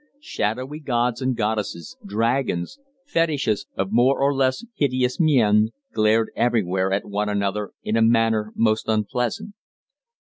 Shadowy gods and goddesses, dragons, fetishes of more or less hideous mien, glared everywhere at one another in a manner most unpleasant.